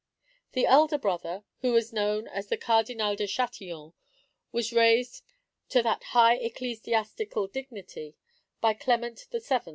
The elder brother, who is known as the Cardinal de Châtillon, was raised to that high ecclesiastical dignity by Clement VII.